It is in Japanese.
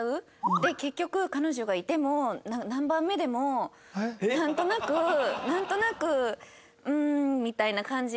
で結局彼女がいても何番目でもなんとなくなんとなく「うん」みたいな感じになっちゃうよね。